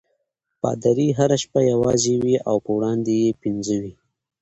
پادري هره شپه یوازې وي او په وړاندې یې پنځه وي.